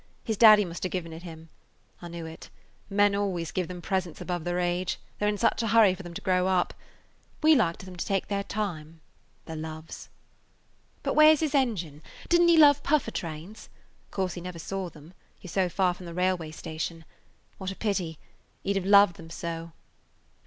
"His daddy must have given him it. I knew it. Men always give them presents above their age, they 're in such a hurry for them to grow up. We like them to take their time, the loves. But where 's his engine? Did n't he love puffer trains? Of course he never saw them. You 're so far from the railway station. What a pity! He 'd have loved them so.